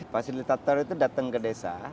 fasilitator itu datang ke desa